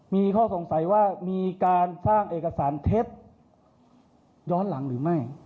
มีข้อสงสัยว่ามีการสร้างเอกสารเท็จย้อนหลังหรือไม่